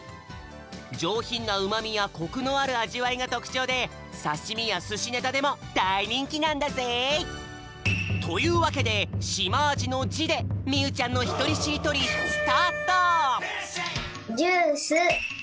じょうひんなうまみやコクのあるあじわいがとくちょうでさしみやすしネタでもだいにんきなんだぜ！というわけでしまあじの「じ」でみゆちゃんのひとりしりとりみ